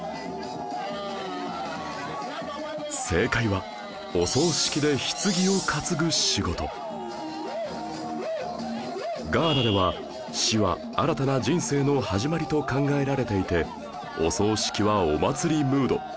正解はガーナでは死は新たな人生の始まりと考えられていてお葬式はお祭りムード